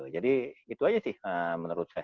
itu aja sih menurut saya